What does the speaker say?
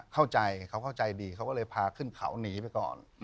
เข้าใจเขาเข้าใจดีเขาก็เลยพาขึ้นเขาหนีไปก่อน